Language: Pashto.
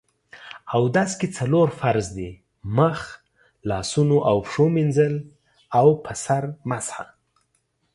اودس کې څلور فرض دي: مخ، لاسونو او پښو مينځل او په سر مسح